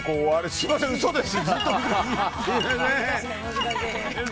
すみません、嘘です！